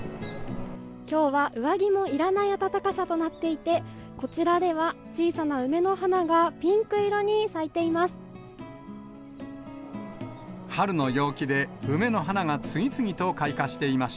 きょうは上着のいらない暖かさとなっていて、こちらでは小さな梅の花がピンク色に咲いています。